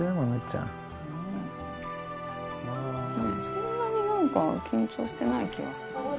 そんなに何か緊張してない気がする。